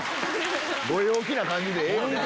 ご陽気な感じでええよ。